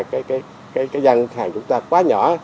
cái dân hàng chúng ta quá nhỏ